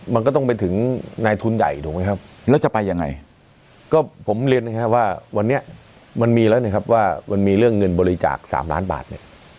มันก็ต้องไปถึงนายทุนใหญ่ถูกไหมครับแล้วจะไปยังไงก็ผมเรียนนะครับว่าวันนี้มันมีแล้วนะครับว่ามันมีเรื่องเงินบริจาค๓ล้านบาทเนี่ย